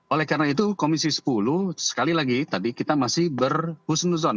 oleh karena itu komisi sepuluh sekali lagi tadi kita masih berhusnuzon